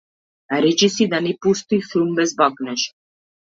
Речиси и да не постои филм без бакнеж.